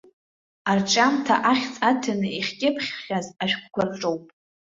Арҿиамҭа ахьӡ аҭаны иахькьыԥхьхаз ашәҟәқәа рҿоуп.